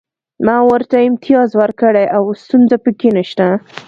ما ورته امتیاز ورکړی او ستونزه پکې نشته